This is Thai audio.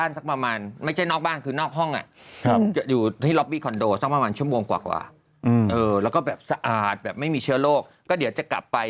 หลังจากนั้นพอจบปั๊บฉันกินน้ำแบบว่า๑ขวดใหญ่